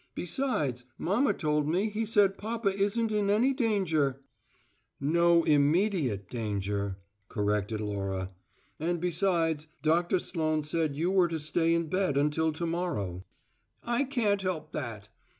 Besides, mamma told me he said papa isn't in any danger." "No `immediate' danger," corrected Laura. "And besides, Doctor Sloane said you were to stay in bed until to morrow." "I can't help that."